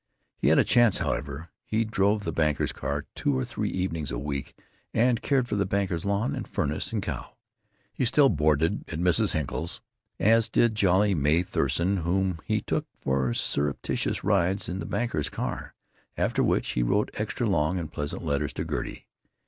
He had a chance, however. He drove the banker's car two or three evenings a week and cared for the banker's lawn and furnace and cow. He still boarded at Mrs. Henkel's, as did jolly Mae Thurston, whom he took for surreptitious rides in the banker's car, after which he wrote extra long and pleasant letters to Gertie.